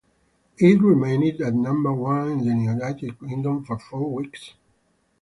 It remained at number one in the United Kingdom for four weeks.